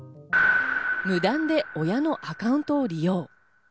無断で親のアカウントを利用。